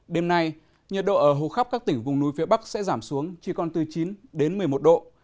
đêm nay nhiệt độ ở hầu khắp các tỉnh vùng núi phía bắc sẽ giảm xuống chỉ còn từ chín đến một mươi một độ